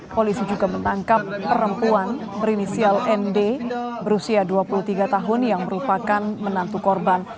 polisi juga menangkap perempuan berinisial nd berusia dua puluh tiga tahun yang merupakan menantu korban